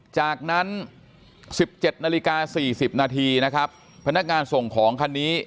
จากนั้น๑๗นาฬิกา๔๐นาทีนะครับพนักงานส่งของคันนี้